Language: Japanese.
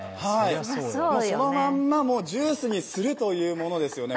そのまま、ジュースにするというものですよね。